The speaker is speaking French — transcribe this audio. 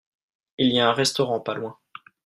Il y a un restaurant pas loin.